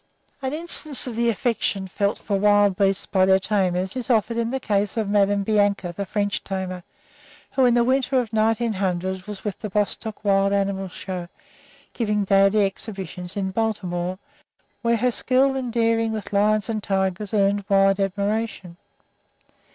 An instance of the affection felt for wild beasts by their tamers is offered in the case of Madame Bianca, the French tamer, who in the winter of 1900 was with the Bostock Wild Animal Show giving daily exhibitions in Baltimore, where her skill and daring with lions and tigers earned wide admiration.